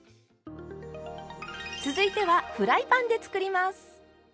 続いてはフライパンで作ります。